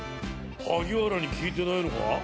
萩原に聞いてないのか？